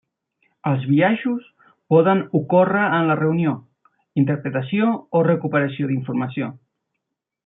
Els biaixos poden ocórrer en la reunió, interpretació o recuperació d'informació.